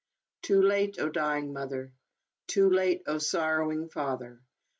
Too late, oh dying mother! Too late, oh sorrowing father!